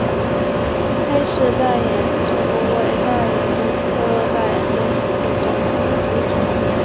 黑鳍大眼鲷为大眼鲷科大眼鲷属的鱼类。